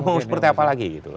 bau seperti apa lagi gitu